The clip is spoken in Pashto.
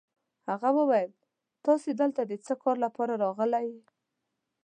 هغه وویل: تاسي دلته د څه کار لپاره راغلئ؟